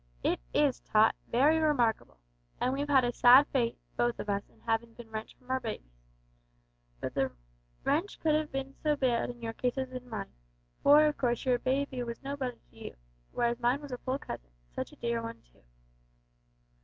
"It is, Tot very remarkable. And we've had a sad fate, both of us, in havin' bin wrenched from our babbies. But the wrench couldn't have bin so bad in your case as in mine, of course, for your babby was nobody to you, whereas mine was a full cousin, an' such a dear one too.